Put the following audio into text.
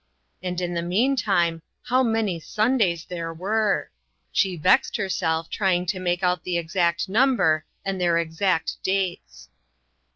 And in the meantime, how many Sundays there were ! She vexed herself trying to make out the exact number and their exact dates.